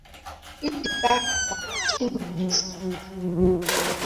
dịka amara Chineke siri dị